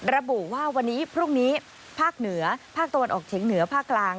ระบุว่าวันนี้พรุ่งนี้ภาคเหนือภาคตะวันออกเฉียงเหนือภาคกลาง